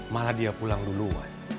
malah dia pulang duluan